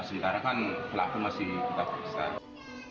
sekarang kan pelaku masih kita periksa